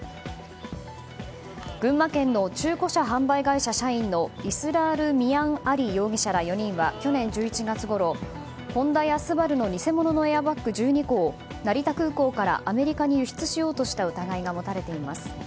群馬県の中古車販売会社社員のイスラール・ミアン・アリ容疑者ら４人は去年１１月ごろホンダやスバルの偽物のエアバッグ１２個を成田空港からアメリカに輸出しようとした疑いが持たれています。